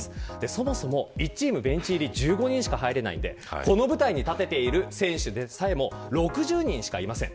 そもそも１チームベンチ入り１５人しか入れないのでこの舞台に立てている選手でさえも６０人しかいません。